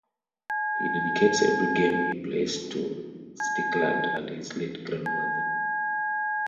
He dedicates every game he plays to Strickland and his late grandmother.